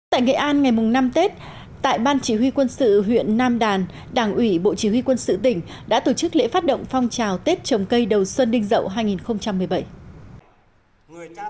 tại nghệ an ngày năm tết tại ban chỉ huy quân sự huyện nam đàn đảng ủy bộ chỉ huy quân sự tỉnh đã tổ chức lễ phát động phong trào tết trồng cây đầu xuân đinh dậu hai nghìn một mươi bảy